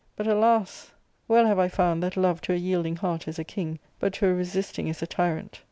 But, alas ! .well have I found that love to a yielding heart is a king, but to a resisting is a tyrant.